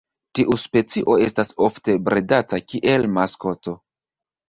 Tiu specio estas ofte bredata kiel maskoto.